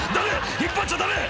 引っ張っちゃダメ！」